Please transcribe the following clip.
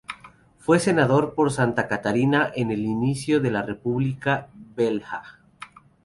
Fue senador por Santa Catarina en el inicio de la República Velha.